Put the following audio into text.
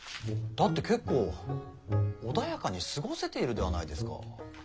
だって結構穏やかに過ごせているではないですか。